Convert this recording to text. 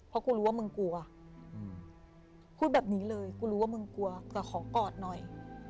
เพราะกูรู้ว่ามึงกลัวพูดแบบนี้เลยกูรู้ว่ามึงกลัวแต่ขอกอดหน่อย